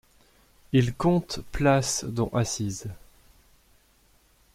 Il compte places dont assises.